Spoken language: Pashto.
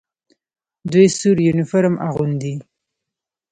دوی سور یونیفورم اغوندي.